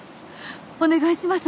お願いします